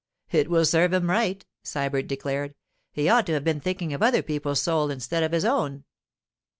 'It will serve him right,' Sybert declared. 'He ought to have been thinking of other people's souls instead of his own.